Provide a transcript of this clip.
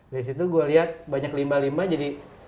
di situ gue lihat banyak limba limba jadi